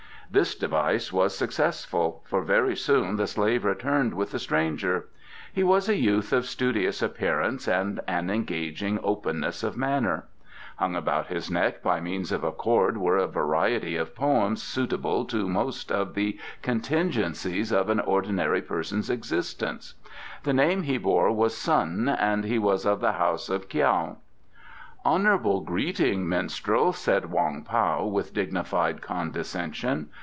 This device was successful, for very soon the slave returned with the stranger. He was a youth of studious appearance and an engaging openness of manner. Hung about his neck by means of a cord were a variety of poems suitable to most of the contingencies of an ordinary person's existence. The name he bore was Sun and he was of the house of Kiau. "Honourable greeting, minstrel," said Wong Pao, with dignified condescension.